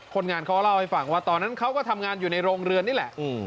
คนงานเขาก็เล่าให้ฟังว่าตอนนั้นเขาก็ทำงานอยู่ในโรงเรือนนี่แหละ